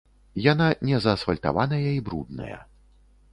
Яна незаасфальтаваная і брудная.